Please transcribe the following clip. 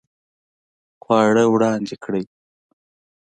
خواړه وړاندې کړئ